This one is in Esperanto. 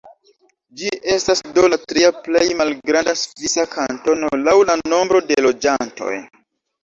Ĝi estas do la tria plej malgranda svisa kantono laŭ la nombro de loĝantoj.